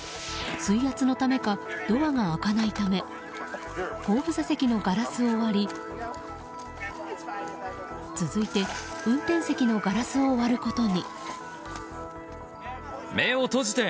水圧のためかドアが開かないため後部座席のガラスを割り続いて運転席のガラスを割ることに。